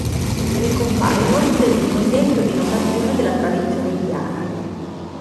Vi compare inoltre il primo esempio di notazione della tradizione indiana.